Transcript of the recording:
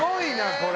これ。